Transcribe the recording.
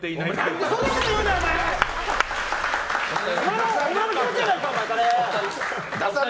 何でそんなこと言うねん！